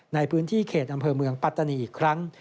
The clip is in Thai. ในพื้นที่เขตอำเภอเมืองปัตตานีอีกครั้ง